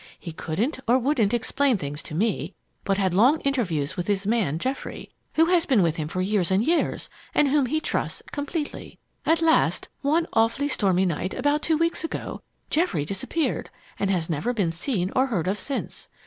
He couldn't or wouldn't explain things to me, but had long interviews with his man, Geoffrey, who has been with him for years and years and whom he trusts completely. "At last, one awfully stormy night, about two weeks ago, Geoffrey disappeared, and has never been seen or heard of since.